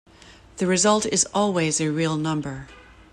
The result is always a real number.